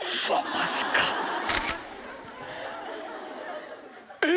マジかえ！